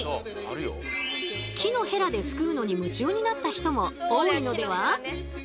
木のヘラですくうのに夢中になった人も多いのでは？